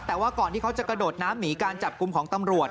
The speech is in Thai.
แต่ว่าก่อนที่เขาจะกระโดดน้ำหนีการจับกลุ่มของตำรวจ